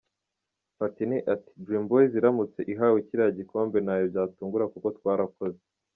Platini ati, “Dream Boyz iramutse ihawe kiriya gikombe ntawe byatungura kuko twarakoze.